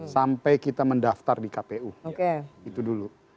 sampai kita mendaftar di kpu itu dulu